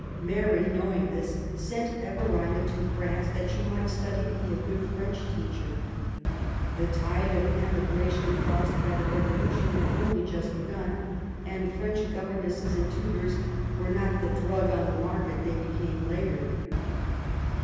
Mary, knowing this, sent Everina to France, that she might study to be a good French teacher. The tide of emigration caused by the Revolution had only just begun, and French governesses and tutors were not the drug on the market they became later.